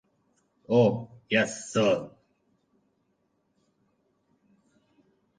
Oh, yes, sir.